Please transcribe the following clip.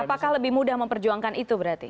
apakah lebih mudah memperjuangkan itu berarti